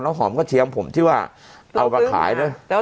แล้วหอมกระเทียมผมที่ว่าเอามาขายด้วย